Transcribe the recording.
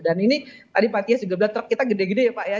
dan ini tadi pak tias juga bilang truk kita gede gede ya pak ya